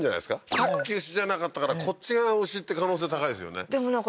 さっき牛じゃなかったからこっちが牛って可能性高いですよね